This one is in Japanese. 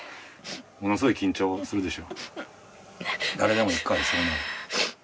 ものすごい緊張するでしょ。